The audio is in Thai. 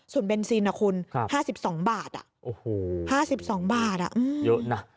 ส่วนเบนซินอ่ะคุณครับห้าสิบสองบาทอ่ะโอ้โหห้าสิบสองบาทอ่ะอืมเยอะน่ะ